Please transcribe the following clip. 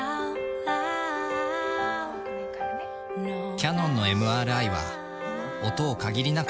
キヤノンのＭＲＩは音を限りなく